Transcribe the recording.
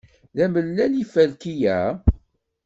D amellal yiferki-a?